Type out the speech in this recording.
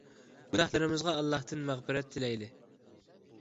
گۇناھلىرىمىزغا ئاللاھتىن مەغپىرەت تىلەيلى!